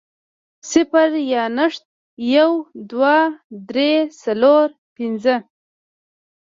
صفر يا نشت, يو, دوه, درې, څلور, پنځه